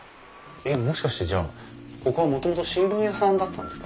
えっもしかしてじゃあここはもともと新聞屋さんだったんですか？